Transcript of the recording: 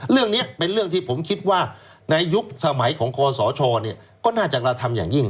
เรื่องนี้เป็นเรื่องที่ผมคิดว่าในยุคสมัยของคอสชก็น่าจะกระทำอย่างยิ่ง